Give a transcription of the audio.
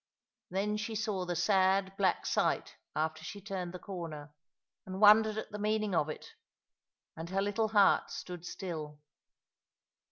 Then she saw the sad black sight after she turned the corner, and wondered at the meaning of it, and her little heart stood still.